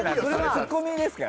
ツッコミですか？